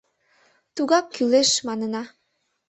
«Тугак кӱлеш» манына.